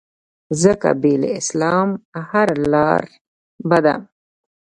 ځکه بې له اسلام هره لاره بده